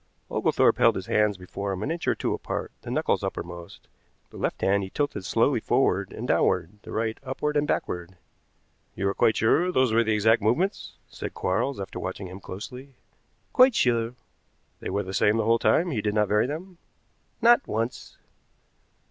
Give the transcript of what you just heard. Oglethorpe held his hands before him an inch or two apart, the knuckles uppermost. The left hand he tilted slowly forward and downward; the right upward and backward. "You are quite sure that those were the exact movements?" said Quarles after watching him closely. "Quite sure." "They were the same the whole time? He did not vary them?" "Not once."